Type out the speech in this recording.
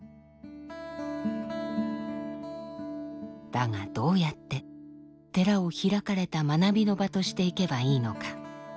だがどうやって寺を開かれた学びの場としていけばいいのか？